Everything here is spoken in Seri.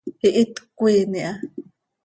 Ihít cöquiin iha.